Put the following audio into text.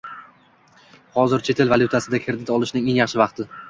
Hozir chet el valyutasida kredit olishning eng yaxshi vaqti?